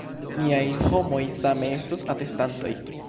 Miaj homoj same estos atestantoj.